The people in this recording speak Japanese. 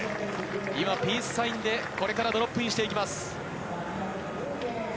今、ピースサインでこれからドロップインしていきます。